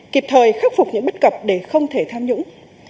kịp thời khắc phục những bất cập để không thể tham nhũng